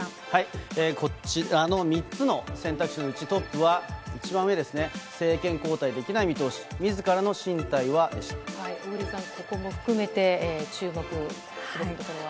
こちらの３つの選択肢のうち、トップは一番上ですね、政権交代できない見通し、小栗さん、ここも含めて、注目するところは。